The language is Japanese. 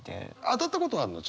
当たったことあるの？